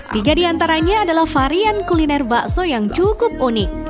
tiga di antaranya adalah varian kuliner bakso yang cukup unik